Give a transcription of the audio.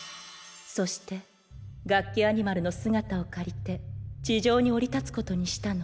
そしてガッキアニマルの姿を借りて地上に降り立つことにしたの。